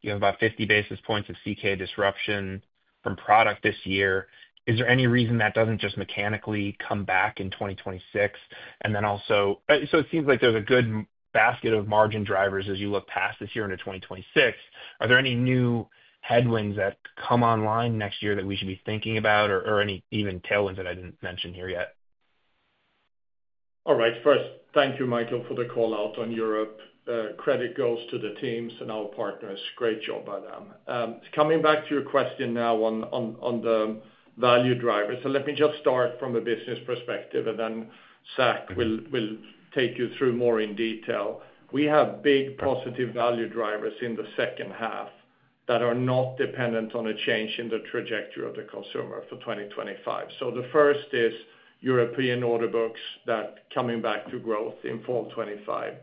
You have about 50 basis points of CK disruption from product this year. Is there any reason that doesn't just mechanically come back in 2026? It seems like there's a good basket of margin drivers as you look past this year into 2026. Are there any new headwinds that come online next year that we should be thinking about or any even tailwinds that I did not mention here yet? All right. First, thank you, Michael, for the call out on Europe. Credit goes to the teams and our partners. Great job by them. Coming back to your question now on the value drivers, let me just start from a business perspective, and then Zac will take you through more in detail. We have big positive value drivers in the second half that are not dependent on a change in the trajectory of the consumer for 2025. The first is European order books that are coming back to growth in fall 2025.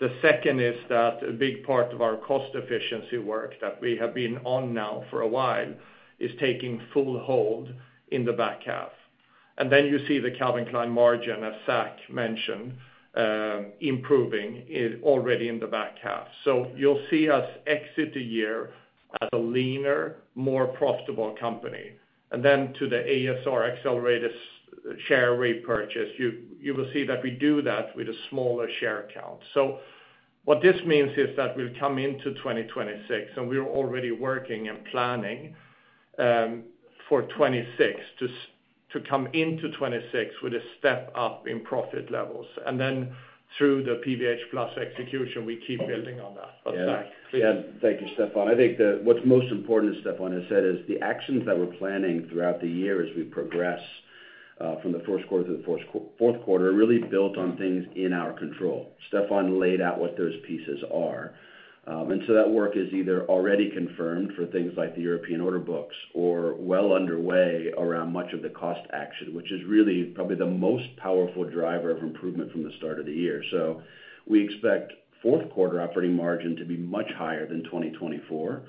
The second is that a big part of our cost efficiency work that we have been on now for a while is taking full hold in the back half. You see the Calvin Klein margin, as Zac mentioned, improving already in the back half. You will see us exit the year as a leaner, more profitable company. To the ASR accelerated share repurchase, you will see that we do that with a smaller share count. What this means is that we will come into 2026, and we are already working and planning for 2026 to come into 2026 with a step up in profit levels. Through the PVH Plus execution, we keep building on that. But Zac. Yeah. Thank you, Stefan. I think that what's most important, as Stefan has said, is the actions that we're planning throughout the year as we progress from the first quarter to the fourth quarter are really built on things in our control. Stefan laid out what those pieces are. That work is either already confirmed for things like the European order books or well underway around much of the cost action, which is really probably the most powerful driver of improvement from the start of the year. We expect fourth quarter operating margin to be much higher than 2024.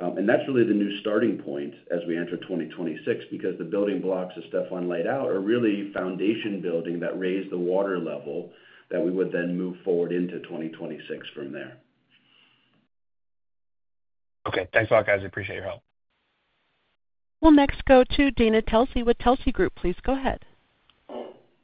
That's really the new starting point as we enter 2026 because the building blocks, as Stefan laid out, are really foundation building that raise the water level that we would then move forward into 2026 from there. Okay. Thanks a lot, guys. I appreciate your help. We'll next go to Dana Telsey with Telsey Group. Please go ahead.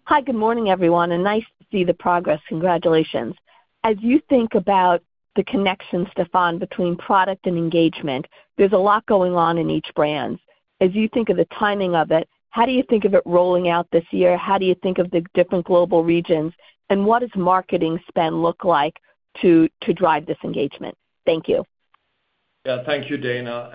Hi. Good morning, everyone, and nice to see the progress. Congratulations. As you think about the connection, Stefan, between product and engagement, there's a lot going on in each brand. As you think of the timing of it, how do you think of it rolling out this year? How do you think of the different global regions? What does marketing spend look like to drive this engagement? Thank you. Yeah. Thank you, Dana.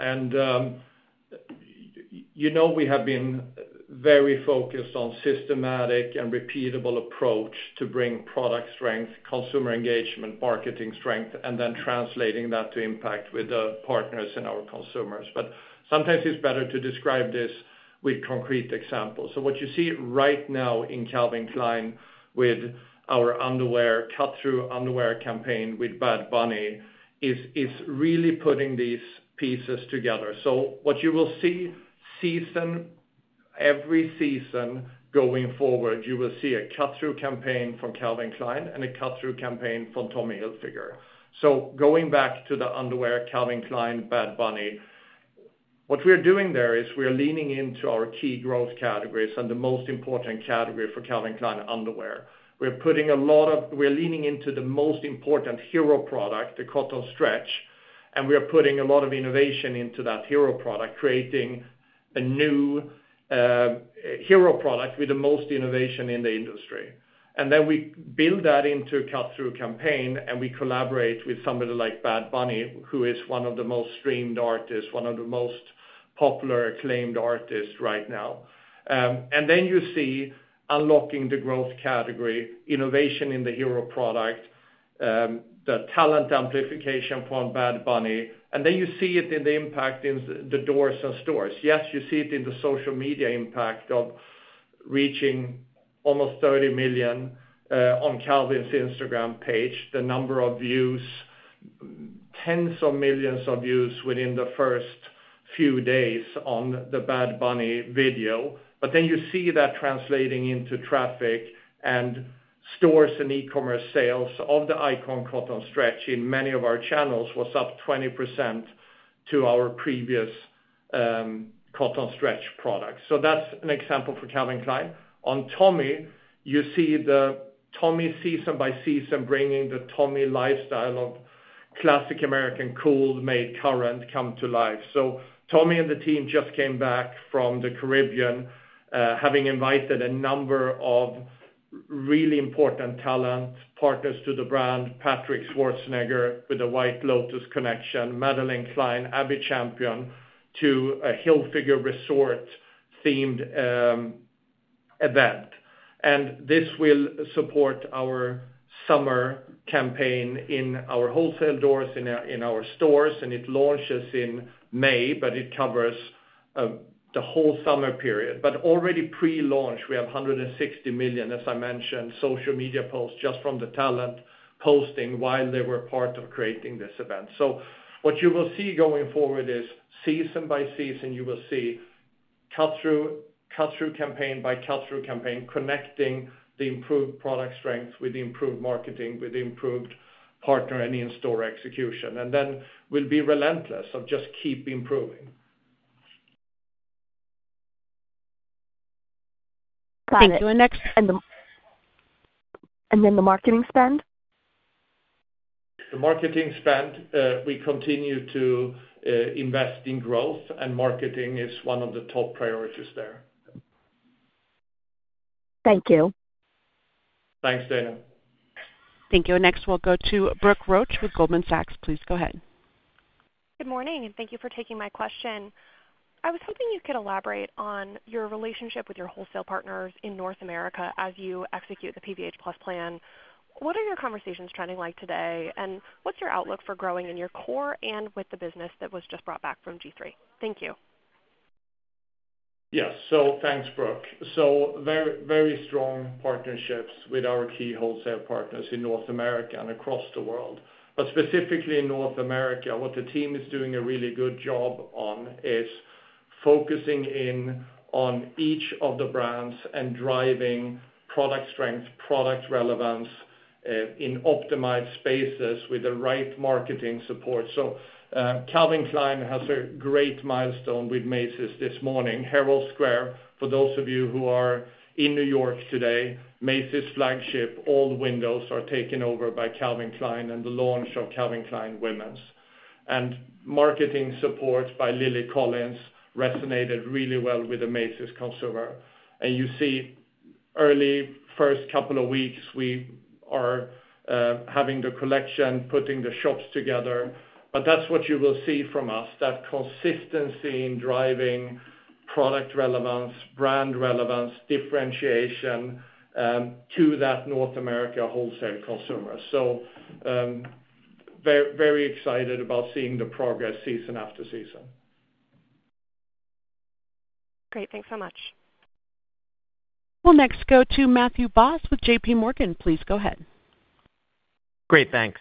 We have been very focused on a systematic and repeatable approach to bring product strength, consumer engagement, marketing strength, and then translating that to impact with the partners and our consumers. Sometimes it's better to describe this with concrete examples. What you see right now in Calvin Klein with our cut-through underwear campaign with Bad Bunny is really putting these pieces together. What you will see every season going forward, you will see a cut-through campaign from Calvin Klein and a cut-through campaign from Tommy Hilfiger. Going back to the underwear, Calvin Klein, Bad Bunny, what we're doing there is we're leaning into our key growth categories and the most important category for Calvin Klein underwear. We're putting a lot of—we're leaning into the most important hero product, the cut-through stretch, and we are putting a lot of innovation into that hero product, creating a new hero product with the most innovation in the industry. Then we build that into a cut-through campaign, and we collaborate with somebody like Bad Bunny, who is one of the most streamed artists, one of the most popular acclaimed artists right now. Then you see unlocking the growth category, innovation in the hero product, the talent amplification from Bad Bunny, and then you see it in the impact in the doors and stores. Yes, you see it in the social media impact of reaching almost 30 million on Calvin's Instagram page, the number of views, tens of millions of views within the first few days on the Bad Bunny video. Then you see that translating into traffic and stores and e-commerce sales of the Icon cotton stretch in many of our channels was up 20% to our previous cotton stretch product. That is an example for Calvin Klein. On Tommy, you see the Tommy season by season bringing the Tommy lifestyle of classic American cool made current come to life. Tommy and the team just came back from the Caribbean, having invited a number of really important talent partners to the brand, Patrick Schwarzenegger with the White Lotus connection, Madeleine Klein, Abby Champion to a Hilfiger Resort-themed event. This will support our summer campaign in our wholesale doors in our stores. It launches in May, but it covers the whole summer period. Already pre-launch, we have 160 million, as I mentioned, social media posts just from the talent posting while they were part of creating this event. What you will see going forward is season by season, you will see cut-through campaign by cut-through campaign connecting the improved product strength with the improved marketing with the improved partner and in-store execution. Then we'll be relentless to just keep improving. Thank you. The marketing spend? The marketing spend, we continue to invest in growth, and marketing is one of the top priorities there. Thank you. Thanks, Dana. Thank you. Next, we'll go to Brooke Roach with Goldman Sachs. Please go ahead. Good morning, and thank you for taking my question. I was hoping you could elaborate on your relationship with your wholesale partners in North America as you execute the PVH Plus plan. What are your conversations trending like today, and what's your outlook for growing in your core and with the business that was just brought back from G-III? Thank you. Yes. Thanks, Brooke. Very strong partnerships with our key wholesale partners in North America and across the world. Specifically in North America, what the team is doing a really good job on is focusing in on each of the brands and driving product strength, product relevance in optimized spaces with the right marketing support. Calvin Klein has a great milestone with Macy's this morning. Herald Square, for those of you who are in New York today, Macy's flagship, all windows are taken over by Calvin Klein and the launch of Calvin Klein Women's. Marketing support by Lily Collins resonated really well with the Macy's consumer. You see early first couple of weeks, we are having the collection, putting the shops together. That is what you will see from us, that consistency in driving product relevance, brand relevance, differentiation to that North America wholesale consumer. Very excited about seeing the progress season after season. Great. Thanks so much. We'll next go to Matthew Boss with JPMorgan. Please go ahead. Great. Thanks.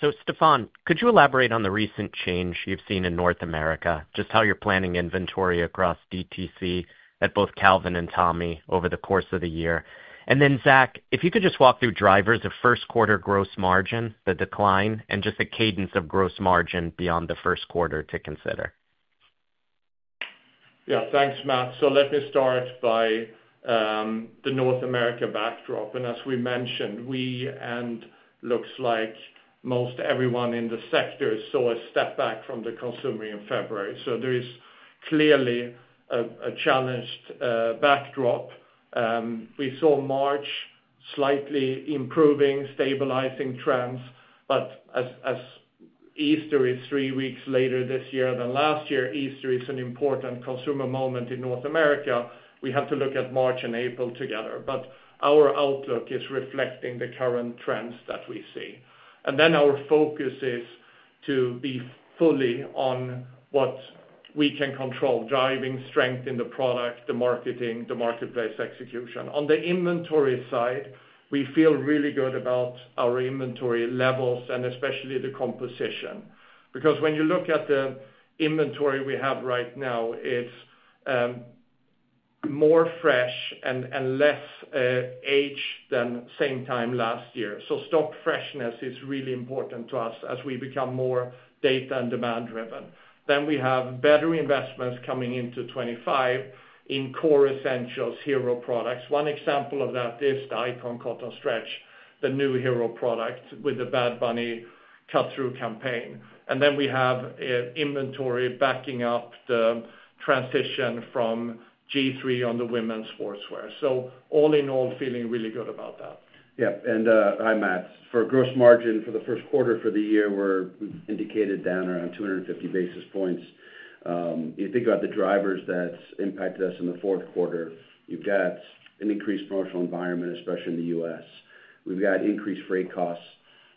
So Stefan, could you elaborate on the recent change you've seen in North America, just how you're planning inventory across DTC at both Calvin and Tommy over the course of the year? And then Zac, if you could just walk through drivers of first quarter gross margin, the decline, and just the cadence of gross margin beyond the first quarter to consider. Yeah. Thanks, Matt. Let me start by the North America backdrop. As we mentioned, we and looks like most everyone in the sector saw a step back from the consumer in February. There is clearly a challenged backdrop. We saw March slightly improving, stabilizing trends. As Easter is three weeks later this year than last year, Easter is an important consumer moment in North America. We have to look at March and April together. Our outlook is reflecting the current trends that we see. Our focus is to be fully on what we can control, driving strength in the product, the marketing, the marketplace execution. On the inventory side, we feel really good about our inventory levels and especially the composition. Because when you look at the inventory we have right now, it is more fresh and less aged than same time last year. Stock freshness is really important to us as we become more data and demand-driven. We have better investments coming into 2025 in core essentials, hero products. One example of that is the Icon cotton stretch, the new hero product with the Bad Bunny cut-through campaign. We have inventory backing up the transition from G-III on the women's sportswear. All in all, feeling really good about that. Yep. Hi, Matt. For gross margin for the first quarter for the year, we're indicated down around 250 basis points. You think about the drivers that impacted us in the fourth quarter. You've got an increased commercial environment, especially in the U.S. We've got increased freight costs.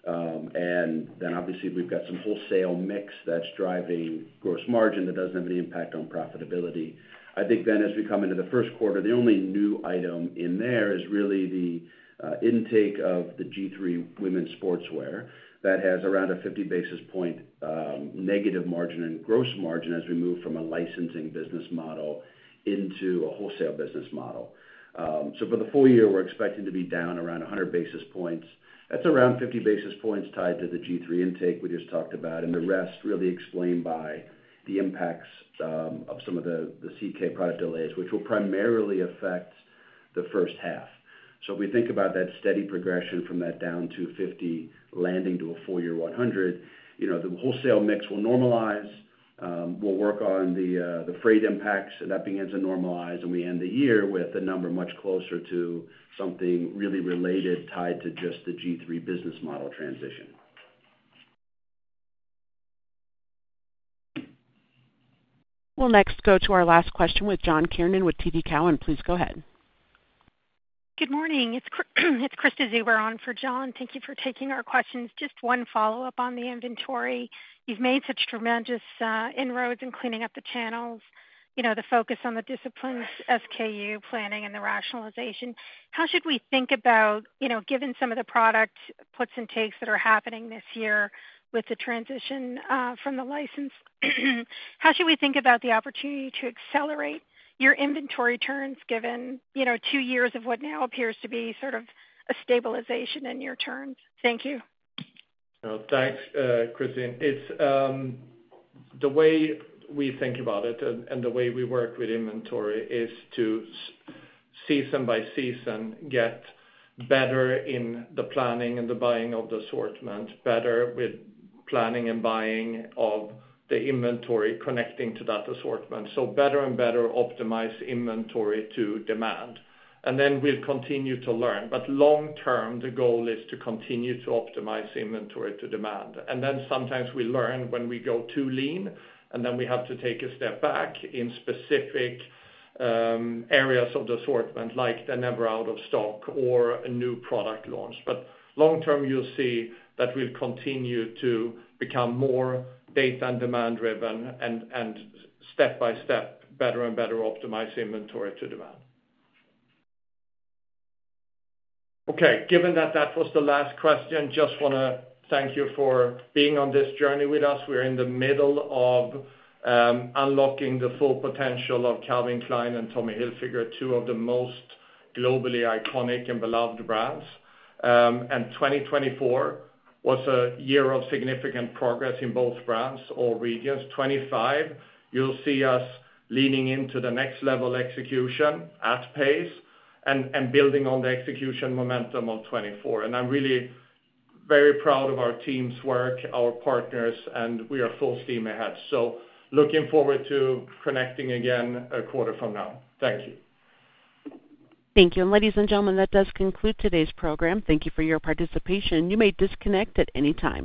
Obviously, we've got some wholesale mix that's driving gross margin that doesn't have any impact on profitability. I think as we come into the first quarter, the only new item in there is really the intake of the G-III women's sportswear that has around a 50 basis point negative margin in gross margin as we move from a licensing business model into a wholesale business model. For the full year, we're expecting to be down around 100 basis points. That's around 50 basis points tied to the G-III intake we just talked about. The rest really explained by the impacts of some of the CK product delays, which will primarily affect the first half. If we think about that steady progression from that down to 50 landing to a full year 100, the wholesale mix will normalize. We'll work on the freight impacts, and that begins to normalize. We end the year with a number much closer to something really related tied to just the G-III business model transition. We'll next go to our last question with John Kernan with TD Cowen. Please go ahead. Good morning. It's Krista Zuber on for John. Thank you for taking our questions. Just one follow-up on the inventory. You've made such tremendous inroads in cleaning up the channels, the focus on the disciplines, SKU planning, and the rationalization. How should we think about, given some of the product puts and takes that are happening this year with the transition from the license? How should we think about the opportunity to accelerate your inventory turns given two years of what now appears to be sort of a stabilization in your turns? Thank you. Thanks, Christine. The way we think about it and the way we work with inventory is to season by season get better in the planning and the buying of the assortment, better with planning and buying of the inventory connecting to that assortment. So better and better optimize inventory to demand. We will continue to learn. Long term, the goal is to continue to optimize inventory to demand. Sometimes we learn when we go too lean, and then we have to take a step back in specific areas of the assortment like the never out of stock or a new product launch. Long term, you'll see that we'll continue to become more data and demand-driven and step by step better and better optimize inventory to demand. Okay. Given that that was the last question, just want to thank you for being on this journey with us. We're in the middle of unlocking the full potential of Calvin Klein and Tommy Hilfiger, two of the most globally iconic and beloved brands. 2024 was a year of significant progress in both brands, all regions. In 2025, you'll see us leaning into the next level execution at pace and building on the execution momentum of 2024.I am really very proud of our team's work, our partners, and we are full steam ahead. Looking forward to connecting again a quarter from now. Thank you. Thank you. Ladies and gentlemen, that does conclude today's program. Thank you for your participation. You may disconnect at any time.